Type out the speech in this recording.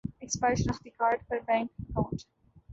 expire شناختی card پر bank account